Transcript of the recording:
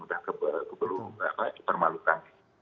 udah keburu permalukan